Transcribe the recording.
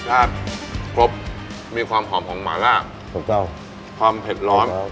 รสชาติครบมีความหอมของหมาล่าครับเจ้าความเผ็ดร้อนครับ